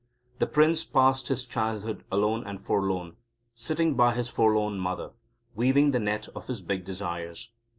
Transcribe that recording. The Prince passed his childhood alone and forlorn, sitting by his forlorn mother, weaving the net of his big desires.